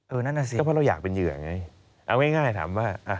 เออนั่นแหละสิเพราะเราอยากเป็นเยือไงเอาง่ายถามว่า